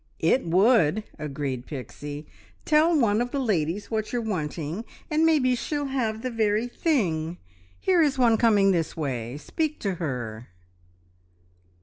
"It would!" agreed Pixie. "Tell one of the ladies what you're wanting, and maybe she'll have the very thing. Here is one coming this way. Speak to her."